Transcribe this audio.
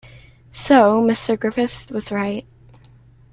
So Mr. Griffiths was right.